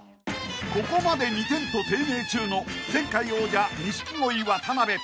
［ここまで２点と低迷中の前回王者錦鯉渡辺］